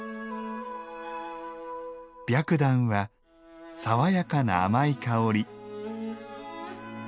「白檀」は爽やかな甘い香り。